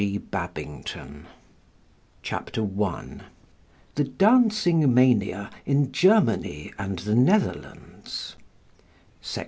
THE DANCING MANIA CHAPTER I THE DANCING MANIA IN GERMANY AND THE NETHERLANDS SECT.